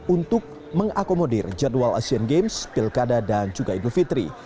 untuk mengakomodir jadwal asian games pilkada dan juga indovitri